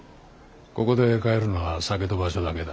ここで買えるのは酒と場所だけだ。